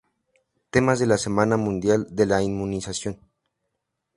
Temas de la Semana Mundial de la Inmunización